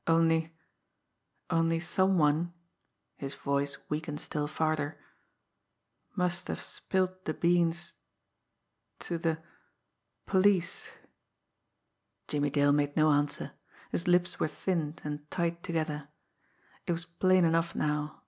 Only only some one" his voice weakened still farther "must have spilled the beans to the police." Jimmie Dale made no answer. His lips were thinned and tight together. It was plain enough now.